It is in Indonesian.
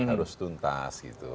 harus tuntas gitu